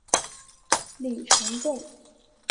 李成栋。